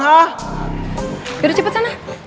yaudah cepet sana